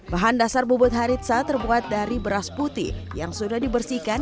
bahan dasar bubut haritsa terbuat dari beras putih yang sudah dibersihkan